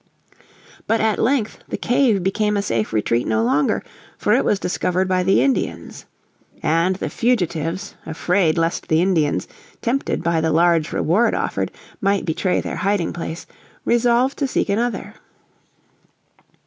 But at length the cave became a safe retreat no longer, for it was discovered by the Indians. And the fugitives, afraid lest the Indians, tempted by the large reward offered, might betray their hiding place, resolved to seek another.